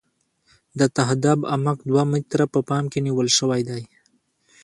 د تهداب عمق دوه متره په پام کې نیول شوی دی